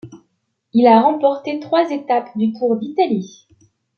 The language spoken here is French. Il a remporté trois étapes du Tour d'Italie.